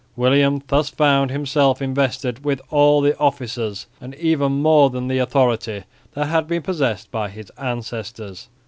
William thus found himself invested with all the offices and even more than the authority that had been possessed by his ancestors.